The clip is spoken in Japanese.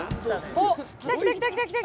おっ来た来た来た来た来た。